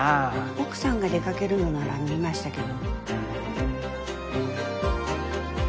奥さんが出かけるのなら見ましたけど。